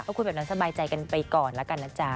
ก็คุยแบบนั้นสบายใจกันไปก่อนแล้วกันนะจ๊ะ